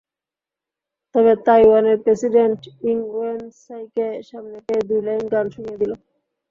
তবে তাইওয়ানের প্রেসিডেন্ট ইং-ওয়েন সাইকে সামনে পেয়ে দুই লাইন গান শুনিয়ে দিল।